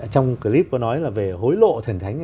trong clip có nói là về hối lộ thần thánh